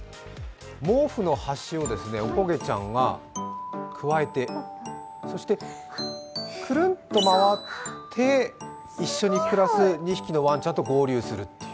毛布の端をおこげちゃんがくわえてくるんと回って一緒に、プラス２匹のワンちゃんと合流するという。